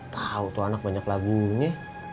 tahu tuh anak banyak lagunya